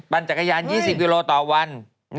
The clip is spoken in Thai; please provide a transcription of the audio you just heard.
ปั่นจักรยาน๒๐โวโรต่อวัน